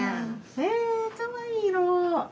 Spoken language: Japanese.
へえかわいい色。